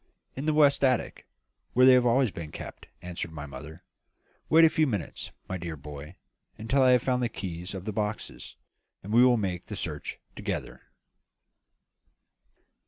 "In the west attic, where they have always been kept," answered my mother. "Wait a few minutes, my dear boy, until I have found the keys of the boxes, and we will make the search together."